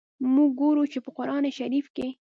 موږ ګورو چي، په قرآن شریف کي.